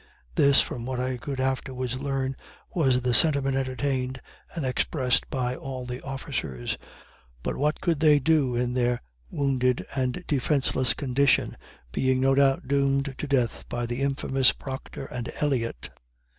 This, from what I could afterwards learn, was the sentiment entertained and expressed by all the officers. But what could they do in their wounded and defenceless condition, being no doubt doomed to death by the infamous Proctor and Elliott.